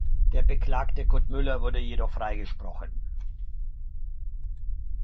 Der Beklagte Kurt Müller wurde jedoch freigesprochen.